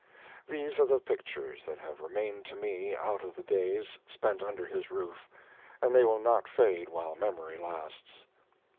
These are the pictures that have remained to me out of the days spent under his roof, and they will not fade while memory lasts.